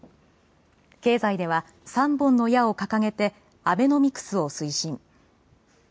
経済では３本の矢を掲げてアベノミクスを推進。